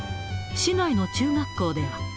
市内の中学校では。